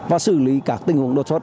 và xử lý các tình huống đột xuất